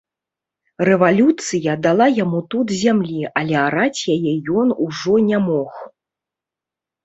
Рэвалюцыя дала яму тут зямлі, але араць яе ён ужо не мог.